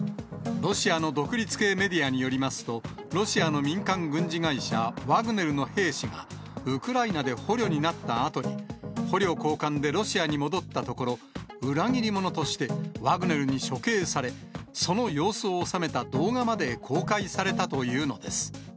ロシアの独立系メディアによりますと、ロシアの民間軍事会社、ワグネルの兵士が、ウクライナで捕虜になったあとに、捕虜交換でロシアに戻ったところ、裏切り者として、ワグネルに処刑され、その様子を収めた動画まで公開されたというのです。